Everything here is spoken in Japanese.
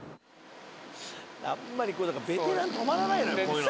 あんまりベテラン泊まらないのよこういうの。